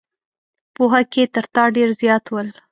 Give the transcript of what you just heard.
پوهه کې تر تا ډېر زیات ول.